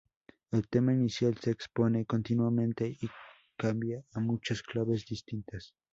El tema inicial se expone continuamente y cambia a muchas claves distintas.